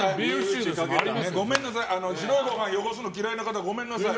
白いご飯汚すの嫌いな方ごめんなさい。